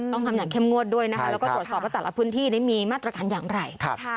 ต้องทำอย่างเข้มงวดด้วยนะคะแล้วก็ตรวจสอบว่าแต่ละพื้นที่นี้มีมาตรการอย่างไร